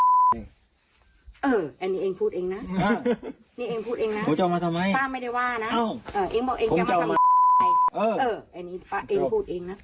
เอ้าเออเองบอกเองจะมาทำเอออันนี้ป้าเองพูดเองนะ